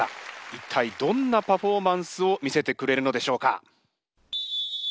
一体どんなパフォーマンスを見せてくれるのでしょうか。